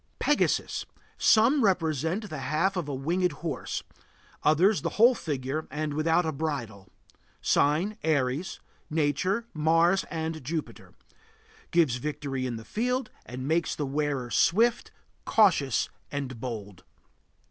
PEGASUS. Some represent the half of a winged horse; others the whole figure and without a bridle. Sign: Aries. Nature: Mars and Jupiter. Gives victory in the field, and makes the wearer swift, cautious, and bold.